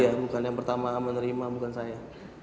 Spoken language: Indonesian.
iya bukan yang pertama menerima bukan saya